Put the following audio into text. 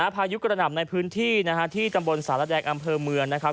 พายุกระหน่ำในพื้นที่ที่ตำบลสารแดงอำเภอเมืองนะครับ